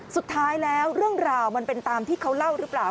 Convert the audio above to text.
สุดท้ายแล้วเรื่องราวมันเป็นตามที่เขาเล่าหรือเปล่า